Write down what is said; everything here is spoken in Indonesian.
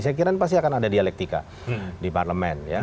saya kira ini pasti akan ada dialektika di parlemen ya